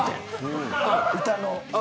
歌の？